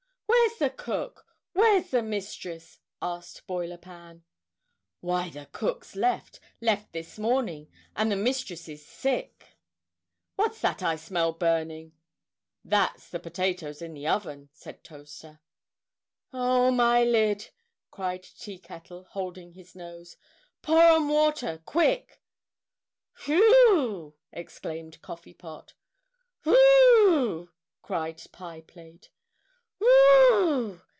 "Where's the cook? Where's the mistress?" asked Boiler Pan. "Why, the cook's left left this morning and the mistress's sick. What's that I smell burning?" "That's the potatoes in the oven," said Toaster. "Oh, my lid!" cried Tea Kettle holding his nose. "Pour on water! Quick!" "Whew!" exclaimed Coffee Pot. "Whew!" cried Pie Plate. "Whew!"